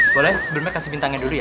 boleh sebenarnya kasih bintangnya dulu ya